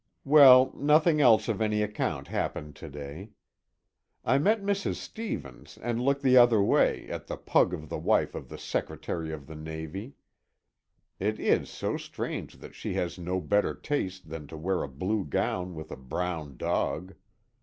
Well, nothing else of any account happened to day. I met Mrs. Stevens and looked the other way, at the pug of the wife of the Secretary of the Navy. It is so strange that she has no better taste than to wear a blue gown with a brown dog.